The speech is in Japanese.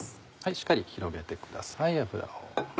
しっかり広げてください油を。